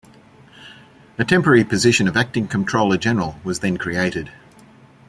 A temporary position of Acting Comptroller General was then created.